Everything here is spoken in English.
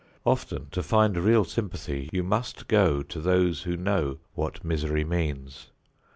Often to find real sympathy you must go to those who know what misery means.